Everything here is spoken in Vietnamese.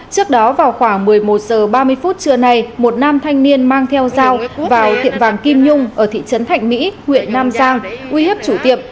trước đó vào khoảng một mươi một h ba mươi phút trưa nay một nam thanh niên mang theo dao vào tiệm vàng kim nhung ở thị trấn thạnh mỹ huyện nam giang uy hiếp chủ tiệm